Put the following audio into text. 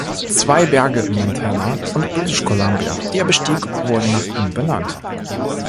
Zwei Berge in Montana und British Columbia, die er bestieg, wurden nach ihm benannt.